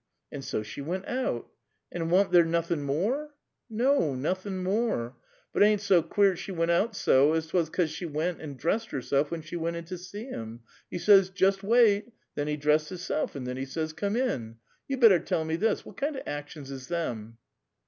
" And HO she went out." "And wan't there nothin' more?" " No, nothin' more. But it ain't so queer't she went out 80, as 'twas 'cause she went and dressed herself when she went to see him. lie says, ' Just wait.' Then he dressed hisself, and then he says, ' Come in.' You better tell me this : what kind of actions is them?"